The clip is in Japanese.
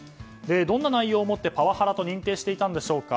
どんな内容をもってパワハラと認定していたんでしょうか。